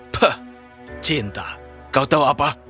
pak cinta kau tahu apa